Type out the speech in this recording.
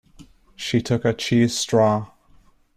She took a cheese straw.